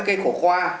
cái khổ khoa